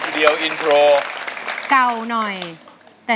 ถ้าพร้อมแล้วอินโทรมาเลยครับ